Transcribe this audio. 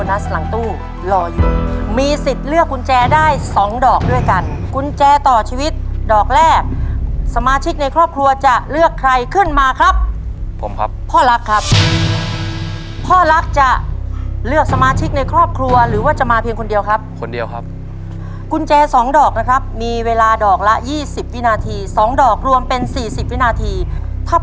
เงินหมื่นและเงินแสนในข้อต่อไป